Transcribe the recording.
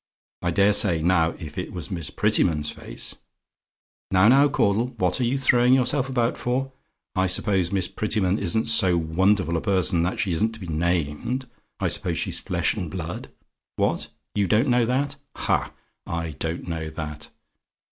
I dare say, now, if it was Miss Prettyman's face now, now, Mr. Caudle! What are you throwing yourself about for? I suppose Miss Prettyman isn't so wonderful a person that she isn't to be named? I suppose she's flesh and blood. What? "YOU DON'T KNOW? "Ha! I don't know that.